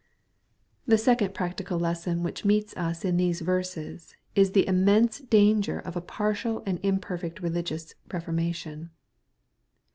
The second practical lesson which meets us in these verses is the immense danger of a partial and imperfect religiot^ reformation.